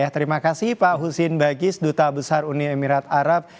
terima kasih pak husin bagis duta besar uni emirat arab